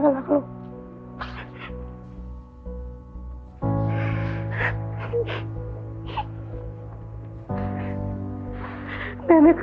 แล้วลูกก็จะอยู่ด้วยแม่